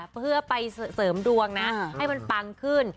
เพื่อไปเสริมดวงนะให้มันปังขึ้น